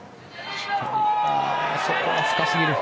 あそこは深すぎる。